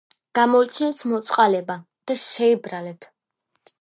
გამოიჩინეთ მოწყალება და შემიბრალეთ